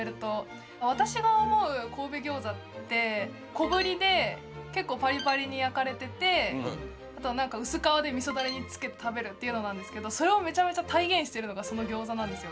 小ぶりで結構パリパリに焼かれててあとは薄皮でみそダレにつけて食べるっていうのなんですけどそれをめちゃめちゃ体現してるのがそのギョーザなんですよ。